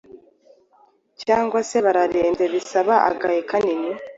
cyangwa se barembye bisaba agahe kanini